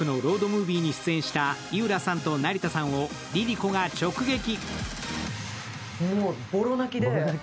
ムービーに出演した井浦さんと成田さんをＬｉＬｉＣｏが直撃。